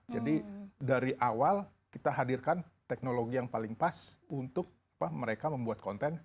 jadi dari awal kita hadirkan teknologi yang paling pas untuk mereka membuat konten